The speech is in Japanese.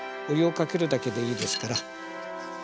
お湯をかけるだけでいいですから。